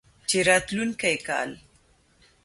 چې راتلونکی کال